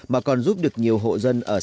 mà còn giúp được nhiều hộ dân ở nhà